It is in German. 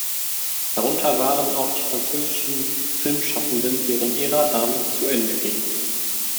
Darunter waren auch die französischen Filmschaffenden, deren Ära damit zu Ende ging.